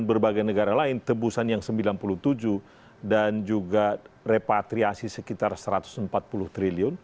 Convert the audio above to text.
berbagai negara lain tebusan yang sembilan puluh tujuh dan juga repatriasi sekitar satu ratus empat puluh triliun